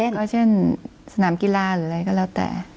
แล้วเช่นสนามกีฬาหรืออะไรก็แล้วแต่